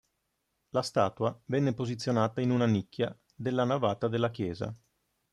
La statua venne posizionata in una nicchia della navata della Chiesa.